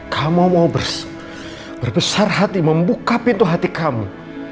kamu mau berbesar hati membuka pintu hati kami